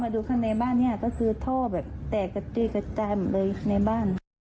ดูข้างในบ้านเนี่ยก็คือท่อแบบแตกกระตีกระจายหมดเลยในบ้าน